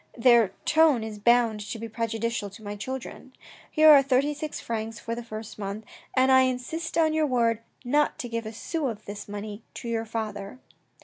Their tone is bound to be prejudicial to my children. Here are thirty six francs for the first month, but I insist on your word not to give a sou of this money to your father."